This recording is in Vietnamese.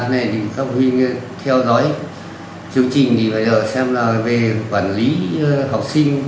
nên các phụ huynh theo dõi chương trình bây giờ xem là về quản lý học sinh